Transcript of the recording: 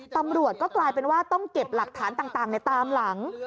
ตำรวจก็กลายเป็นว่าต้องเก็บหลักฐานต่างในตามหลัง